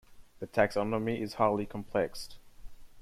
The taxonomy is highly complex.